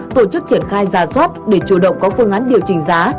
tổ chức triển khai ra soát để chủ động có phương án điều chỉnh giá